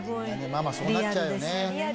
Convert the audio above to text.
ママそうなっちゃうよね。